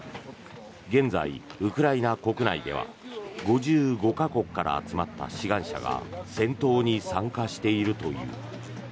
現在、ウクライナ国内では５５か国から集まった志願者が戦闘に参加しているという。